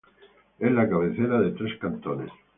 Es la cabecera de tres cantones.